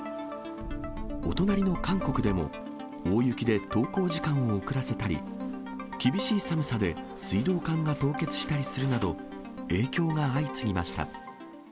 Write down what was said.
お隣の韓国でも、大雪で登校時間を遅らせたり、厳しい寒さで水道管が凍結したりするなど、影響が相次ぎました。